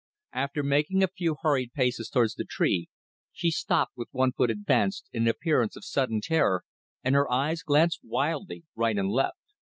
After making a few hurried paces towards the tree, she stopped with one foot advanced in an appearance of sudden terror, and her eyes glanced wildly right and left.